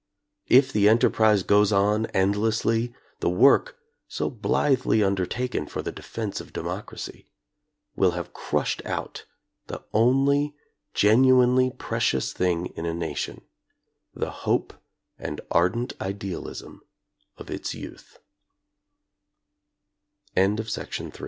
If the enterprise goes on endlessly, the work, so blithely undertaken for the defense of democracy, will have crushed out the only genuinely precious thing in a nation, the hope and ardent idealism of it